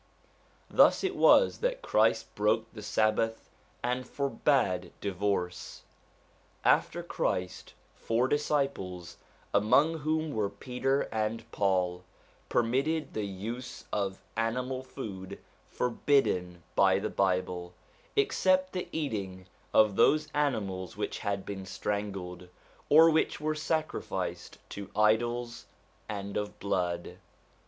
Thus it Avas that Christ broke the Sabbath and forbade divorce. After Christ, four disciples, among whom were Peter and Paul, permitted the use of animal 107 108 SOME ANSWERED QUESTIONS food forbidden by the Bible, except the eating of those animals which had been strangled, or which were sacrificed to idols, and of blood.